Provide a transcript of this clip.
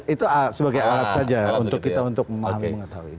itu sebagai alat saja untuk kita untuk memahami mengetahui